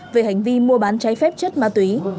về hành vi mua bán trái phép chất ma túy